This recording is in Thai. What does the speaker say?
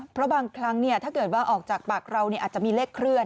เพราะบางครั้งถ้าเกิดว่าออกจากปากเราอาจจะมีเลขเคลื่อน